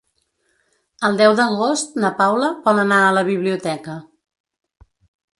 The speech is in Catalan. El deu d'agost na Paula vol anar a la biblioteca.